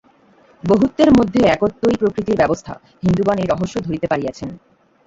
বহুত্বের মধ্যে একত্বই প্রকৃতির ব্যবস্থা, হিন্দুগণ এই রহস্য ধরিতে পারিয়াছেন।